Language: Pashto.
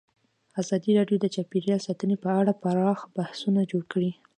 ازادي راډیو د چاپیریال ساتنه په اړه پراخ بحثونه جوړ کړي.